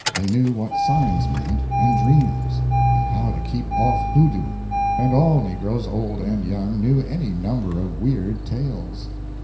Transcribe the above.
They knew what signs meant, and dreams, and how to keep off hoodoo; and all negroes, old and young, knew any number of weird tales.